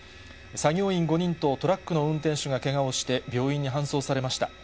作業員５人とトラックの運転手がけがをして、病院に搬送されました。